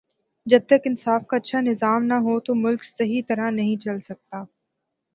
جب تک انصاف کا اچھا نظام نہ ہو تو ملک صحیح طرح نہیں چل سکتا